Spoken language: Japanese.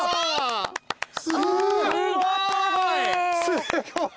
すごい！